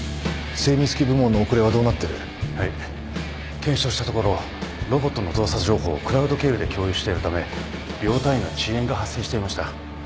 検証したところロボットの動作情報をクラウド経由で共有しているため秒単位の遅延が発生していました。